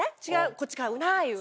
こっち買うなぁいう。